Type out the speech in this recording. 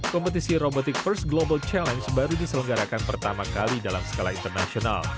kompetisi robotic first global challenge baru diselenggarakan pertama kali dalam skala internasional